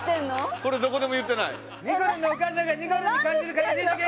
これどこでも言ってない？にこるんのお母さんがにこるんに感じる悲しい時ー！